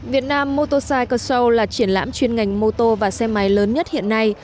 việt nam motorcycle show là triển lãm chuyên ngành mô tô và xe máy lớn nhất hiện nay